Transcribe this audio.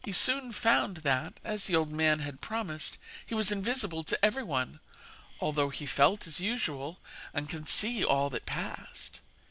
He soon found that, as the old man had promised, he was invisible to everyone, although he felt as usual, and could see all that passed.